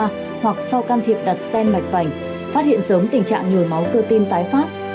điều trị nội khoa hoặc sau can thiệp đặt stent mạch vành phát hiện sớm tình trạng nhồi máu cơ tim tái phát